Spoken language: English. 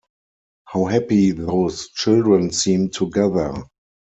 How happy those children seem together!